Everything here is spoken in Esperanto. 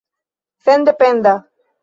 sendependa